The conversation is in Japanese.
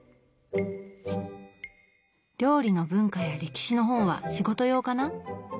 料理の文化や歴史の本は仕事用かな。